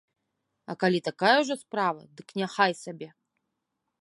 А калі такая ўжо справа, дык няхай сабе!